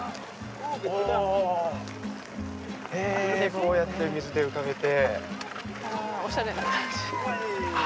こうやって水で浮かべて。